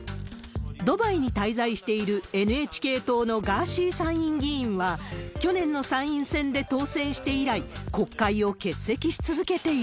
ドバイに滞在しているＮＨＫ党のガーシー参院議員は、去年の参院選で当選して以来、国会を欠席し続けている。